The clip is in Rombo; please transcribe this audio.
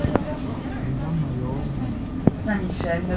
Singa maiyoo undusha.